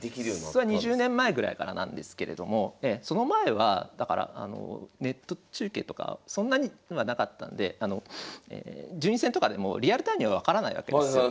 それは２０年前ぐらいからなんですけれどもその前はだからあのネット中継とかはそんなにはなかったんで順位戦とかでもリアルタイムには分からないわけですよ。